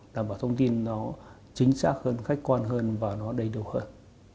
đảm bảo thông tin nó chính xác hơn khách quan hơn và nó đầy đủ hơn